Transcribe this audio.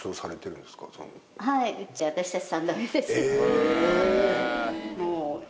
え！